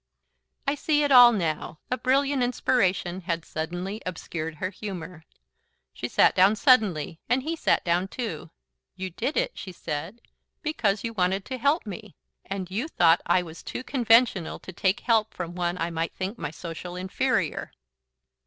"I see it all now." A brilliant inspiration had suddenly obscured her humour. She sat down suddenly, and he sat down too. "You did it," she said, "because you wanted to help me. And you thought I was too Conventional to take help from one I might think my social inferior."